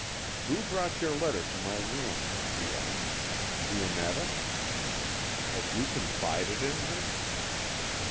"Who brought your letter to my room?" he asked. "Dionetta." "Have you confided in her?"